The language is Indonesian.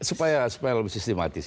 ya tapi supaya lebih sistematis